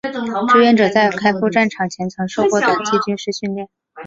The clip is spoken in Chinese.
志愿者在开赴战场前曾受过短期军事训练。